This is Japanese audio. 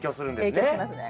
影響しますね。